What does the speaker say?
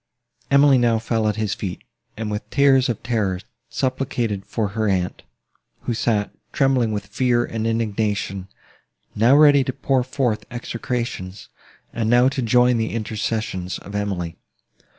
Emily now fell at his feet, and, with tears of terror, supplicated for her aunt, who sat, trembling with fear, and indignation; now ready to pour forth execrations, and now to join the intercessions of Emily.